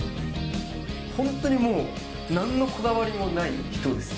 本当にもう、なんのこだわりもない人ですね。